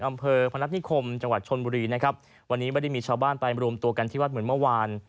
อำเภอพนัฐนิคมจังหวัดชนบุรีนะครับวันนี้ไม่ได้มีชาวบ้านไปรวมตัวกันที่วัดเหมือนเมื่อวาน